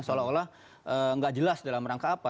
seolah olah tidak jelas dalam rangka apa